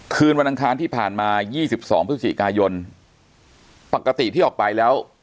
คืนวันอังคารที่ผ่านมา๒๒พฤศจิกายนปกติที่ออกไปแล้ว